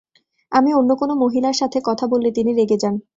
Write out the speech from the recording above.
আমি অন্য কোনো মহিলার সাথে কথা বললে তিনি রেগে যান।